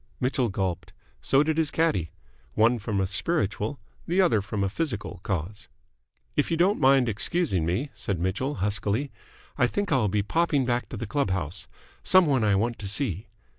Mitchell gulped. So did his caddie. One from a spiritual, the other from a physical cause. "If you don't mind excusing me," said Mitchell, huskily, "I think I'll be popping back to the club house. Someone I want to see."